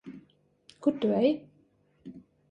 Kur tu ej?